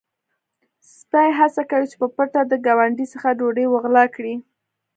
سپی هڅه کوي چې په پټه د ګاونډي څخه ډوډۍ وغلا کړي.